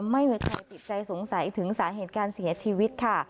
ไม่มีใครติดใจสงสัยถึงสาเหตุการเสียชีวิตค่ะ